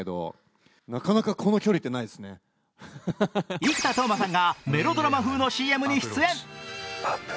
生田斗真さんがメロドラマ風のＣＭに出演。